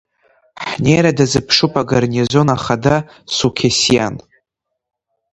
Ҳнеира дазыԥшуп агарнизон ахада Суқьессиан!